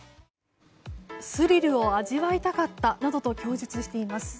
スリルを味わいたかったなどと供述しています。